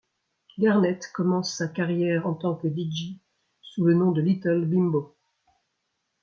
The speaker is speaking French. Garnett commence sa carrière en tant que deejay sous le nom de Little Bimbo.